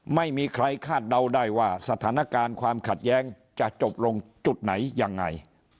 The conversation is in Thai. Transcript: ไม่มีใครคาดเดาได้ว่าสถานการณ์ความขัดแย้งจะจบลงจุดไหนยังไง